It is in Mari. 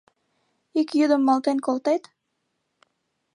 Ик йӱдым малтен колтет?